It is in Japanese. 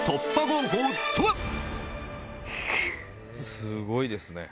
すごいですね！